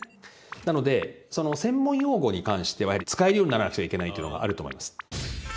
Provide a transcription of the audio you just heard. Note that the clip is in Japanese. なのでその専門用語に関しては使えるようにならなくちゃいけないというのがあると思います。